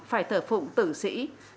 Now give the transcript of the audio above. phải thợ phụng tử sĩ